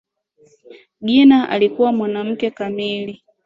Gina alikuwa mwanamke kamili